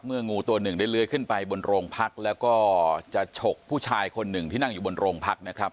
งูตัวหนึ่งได้เลื้อยขึ้นไปบนโรงพักแล้วก็จะฉกผู้ชายคนหนึ่งที่นั่งอยู่บนโรงพักนะครับ